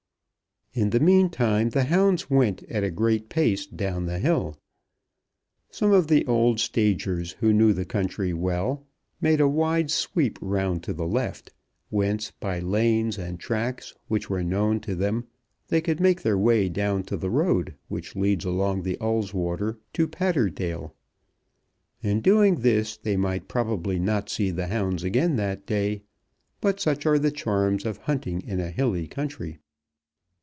In the mean time the hounds went at a great pace down the hill. Some of the old stagers, who knew the country well, made a wide sweep round to the left, whence by lanes and tracks, which were known to them, they could make their way down to the road which leads along Ulleswater to Patterdale. In doing this they might probably not see the hounds again that day, but such are the charms of hunting in a hilly country.